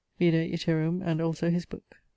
Vide iterum, and also his booke.